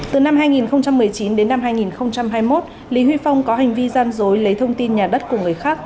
từ năm hai nghìn một mươi chín đến năm hai nghìn hai mươi một lý huy phong có hành vi gian dối lấy thông tin nhà đất của người khác